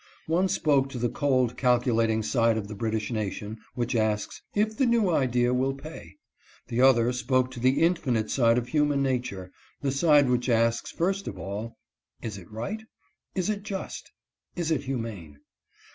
One spoke to the cold, calculating side of the British nation, which asks " if the new idea will pay ?" The other spoke to the infinite side of human nature — the side which asks, first of all, " Is 294 THE CORN LAW DECISIONS. it right ? is it just ? is it humane